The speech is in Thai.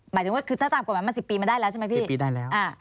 หมายถึงว่าคือถ้าตามกฎหมายมัน๑๐ปีมาได้แล้วใช่ไหมพี่ปีได้แล้ว